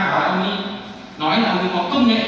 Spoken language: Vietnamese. và ông ấy nói là ông ấy có công nghệ mà